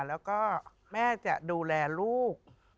แล้วก็แม่จะดูแลลูก